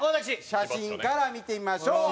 写真から見てみましょう。